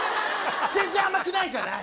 全然あまくないじゃない！